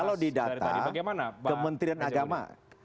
kalau didata kementerian agama